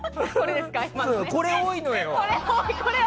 これ、多いのよ！